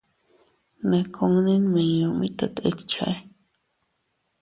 Ne kunni nmiñu mit tet ikche.